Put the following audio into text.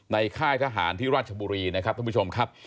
ค่ายทหารที่ราชบุรีนะครับท่านผู้ชมครับ